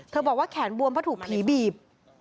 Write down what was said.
บอกว่าแขนบวมเพราะถูกผีบีบ